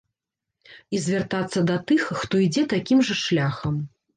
І звяртацца да тых, хто ідзе такім жа шляхам.